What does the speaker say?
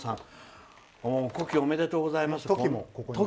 古希おめでとうございますと。